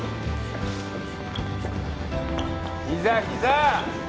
ひざひざ！